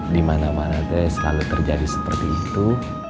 dimana mana teh selalu terjadi seperti itu